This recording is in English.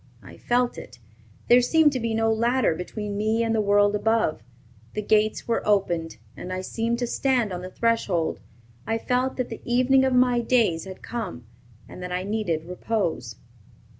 I felt it. There seemed to be no ladder between me and the world above. The gates were opened, and I seemed to stand on the threshold. I felt that the evening of my days had come, and that I needed repose."